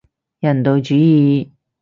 人道主義